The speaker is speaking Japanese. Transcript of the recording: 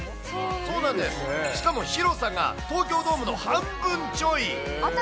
そうなんです、しかも広さが東京ドームの半分ちょい。